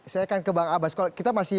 saya akan ke bang abas kalau kita masih